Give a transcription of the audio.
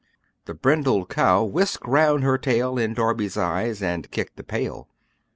The brindled cow whisked round her tail In Darby's eyes, and kicked the pail.